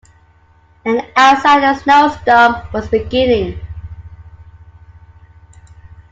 And outside a snowstorm was beginning.